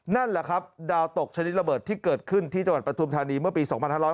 นั่นแหละครับดาวตกชนิดระเบิดที่เกิดขึ้นที่จังหวัดปฐุมธานีเมื่อปี๒๕๕๙